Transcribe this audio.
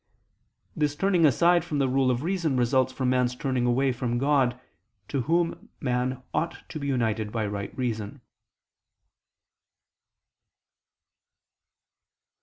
This turning aside from the rule of reason results from man's turning away from God, to Whom man ought to be united by right reason.